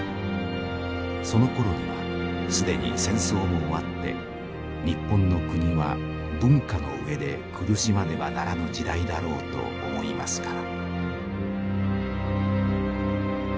そのころには既に戦争も終わって日本の国は文化の上で苦しまねばならぬ時代だろうと思いますから」。